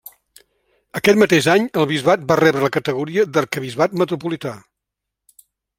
Aquest mateix any, el bisbat va rebre la categoria d'arquebisbat metropolità.